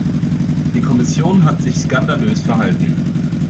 Die Kommission hat sich skandalös verhalten.